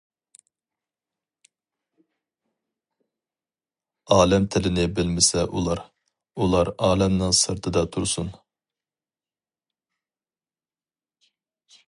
ئالەم تىلىنى بىلمىسە ئۇلار، ئۇلار ئالەمنىڭ سىرتىدا تۇرسۇن.